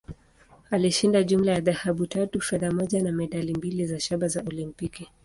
Alishinda jumla ya dhahabu tatu, fedha moja, na medali mbili za shaba za Olimpiki.